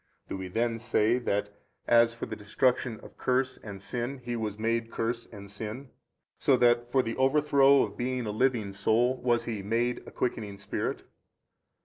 Do we then say that as for the destruction of curse and sin He was MADE curse and sin, so that for the overthrow of being a living soul was He MADE a quickening spirit?